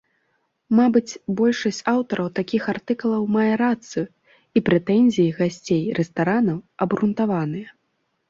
Мабыць, большасць аўтараў такіх артыкулаў мае рацыю, і прэтэнзіі гасцей рэстаранаў абгрунтаваныя.